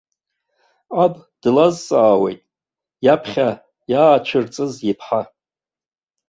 Аб длазҵаауеит иаԥхьа иаацәырҵыз иԥҳа.